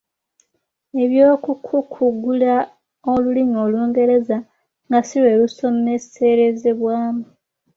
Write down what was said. Eby’okukukugula olulimi olungereza nga si lwe lusomeserezebwamu